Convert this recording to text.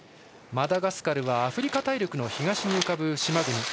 マダガスカルはアフリカ大陸の東に浮かぶ島国。